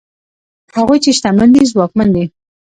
هغوی چې شتمن دي ځواکمن دي؛